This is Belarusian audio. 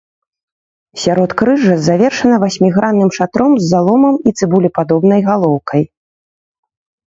Сяродкрыжжа завершана васьмігранным шатром з заломам і цыбулепадобнай галоўкай.